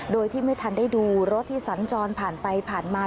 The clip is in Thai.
โดยที่ไม่ทันได้ดูรถที่สัญจรผ่านไปผ่านมา